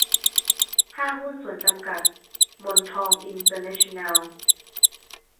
ห้างหุ้นส่วนจำกัด มนทองอินเตอร์เนชั่นแนล